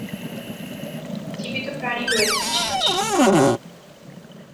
জীবিত প্রাণী রয়েছে আশেপাশে।